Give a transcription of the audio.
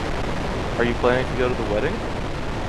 Are you planning to go to the wedding?